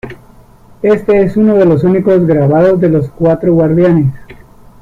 Éste es uno de los únicos grabados de los cuatro guardianes.